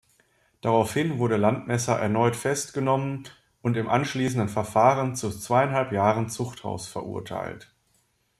Daraufhin wurde Landmesser erneut festgenommen und im anschließenden Verfahren zu zweieinhalb Jahren Zuchthaus verurteilt.